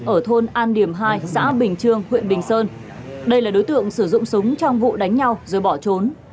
ở thôn an điểm hai xã bình trương huyện bình sơn đây là đối tượng sử dụng súng trong vụ đánh nhau rồi bỏ trốn